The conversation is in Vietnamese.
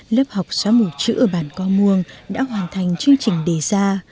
lớp học xóa mù chữ ở bản co muông đã hoàn thành chương trình đề ra